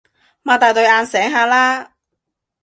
擘大對眼醒下啦